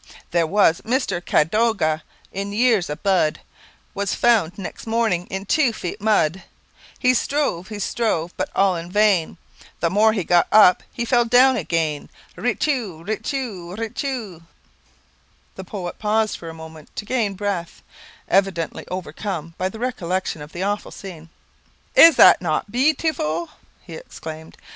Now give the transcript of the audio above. There was Mister Cadoga in years a bud, Was found next morning in tew feet mud; He strove he strove but all in vain, The more he got up, he fell down again. Ri, tu, ri, tu, ri, tu." The poet paused for a moment to gain breath, evidently overcome by the recollection of the awful scene. "Is not that bee u tiful?" he exclaimed.